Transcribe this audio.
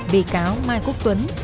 bị cáo mai quốc tuấn